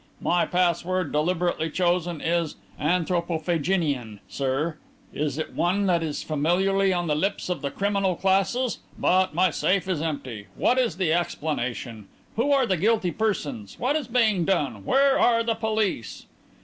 My password, deliberately chosen, is 'anthropophaginian,' sir. Is it one that is familiarly on the lips of the criminal classes? But my safe is empty! What is the explanation? Who are the guilty persons? What is being done? Where are the police?"